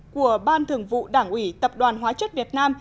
của ban thường vụ đảng ủy tập đoàn hóa chất việt nam